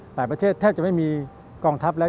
ประเทศแทบจะไม่มีกองทัพแล้ว